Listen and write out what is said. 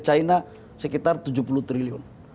china sekitar tujuh puluh triliun